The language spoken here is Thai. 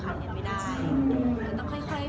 จันทร์สมมุติก็ต้องเรียน